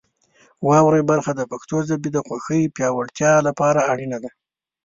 واورئ برخه د پښتو ژبې د خوښۍ د پیاوړتیا لپاره اړینه ده.